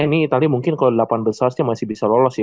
ini itali mungkin kalau delapan besar sih masih bisa lolos ya